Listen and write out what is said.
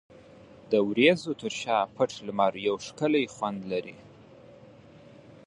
د وریځو تر شا پټ لمر یو ښکلی خوند لري.